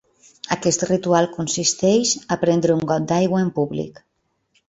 Aquest ritual consisteix a prendre un got d’aigua en públic.